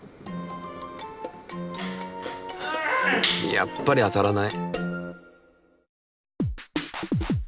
やっぱり当たらない。